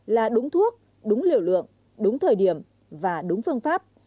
là đúng thuốc đúng liều lượng đúng thời điểm và đúng phương pháp